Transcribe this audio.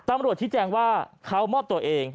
ตำรวจที่แจ้งว่าเขามอบตัวเอง